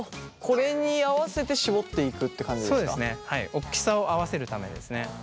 大きさを合わせるためですね。